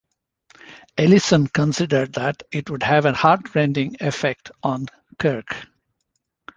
Ellison considered that it would have a heartrending effect on Kirk.